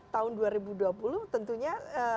tahun dua ribu dua puluh tentunya